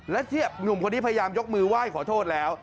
และหนุ่มคนนี้พยายามยกมือไหว้ขอโทษแล้ว